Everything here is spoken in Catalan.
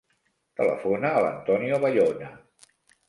Telefona a l'Antonio Bayona.